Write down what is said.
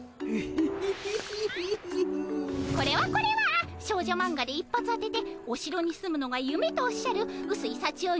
これはこれは少女マンガで一発当てておしろに住むのがゆめとおっしゃるうすいさちよ